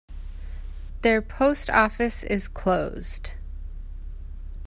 Their post office is closed.